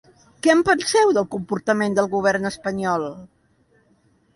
Què en penseu del comportament del govern espanyol?